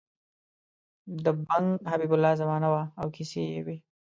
د بنګ حبیب الله زمانه وه او کیسې یې وې.